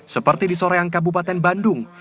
seperti di soreang kabupaten bandung